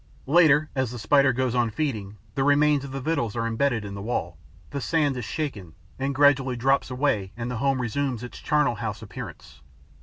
Later, as the Spider goes on feeding, the remains of the victuals are embedded in the wall, the sand is shaken and gradually drops away and the home resumes its charnel house appearance.